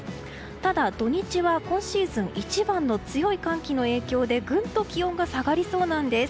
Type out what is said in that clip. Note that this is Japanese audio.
ただ、土日は今シーズン一番の強い寒気の影響でぐんと気温が下がりそうなんです。